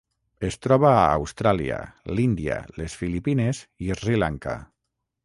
Es troba a Austràlia, l'Índia, les Filipines i Sri Lanka.